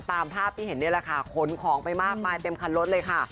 ตามภาพที่เห็นนี่แหละค่ะขนของไปมากมายเต็มคันรถเลยค่ะ